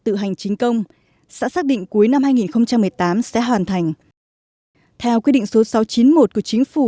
tự hành chính công sẽ xác định cuối năm hai nghìn một mươi tám sẽ hoàn thành theo quy định số sáu trăm chín mươi một của chính phủ